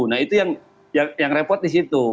nah itu yang repot di situ